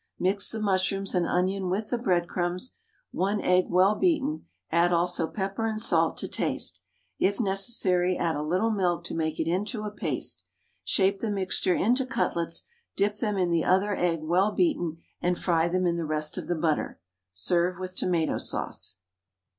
Mix the mushrooms and onion with the breadcrumbs, 1 egg well beaten, add also pepper and salt to taste; if necessary add a little milk to make it into a paste; shape the mixture into cutlets, dip them in the other egg well beaten, and fry them in the rest of the butter. Serve with tomato sauce.